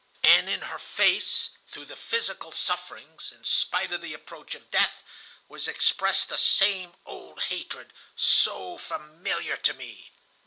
"And in her face, through the physical sufferings, in spite of the approach of death, was expressed the same old hatred, so familiar to me.